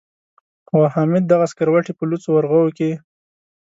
خو حامد دغه سکروټې په لوڅو ورغوو کې.